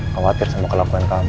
khawatir sama kelakuan kamu